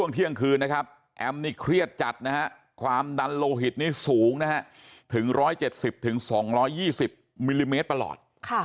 แต่จัดความดันโลหิตนี้สูงถึง๑๗๐๒๒๐มิลลิเมตรประหลอด